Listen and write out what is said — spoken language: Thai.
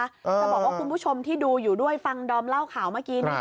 จะบอกว่าคุณผู้ชมที่ดูอยู่ด้วยฟังดอมเล่าข่าวเมื่อกี้นี้